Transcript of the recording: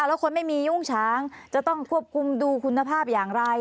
แล้วคนไม่มียุ่งฉางจะต้องควบคุมดูคุณภาพอย่างไร